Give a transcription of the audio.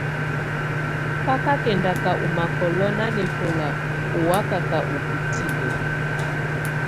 Bá kà kɛndaka ù makɔ̀lɔ̀ nanɛkɔla ù wakaka ù bǝ́tinǝ́.